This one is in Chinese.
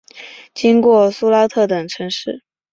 经过苏拉特等城市。